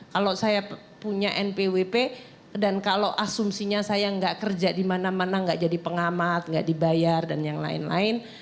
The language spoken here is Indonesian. kalau saya punya npwp dan kalau asumsinya saya nggak kerja di mana mana nggak jadi pengamat nggak dibayar dan yang lain lain